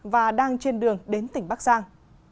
và đang trên đường đến tỉnh bắc giang